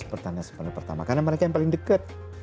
sepertanda sepertanda pertama karena mereka yang paling dekat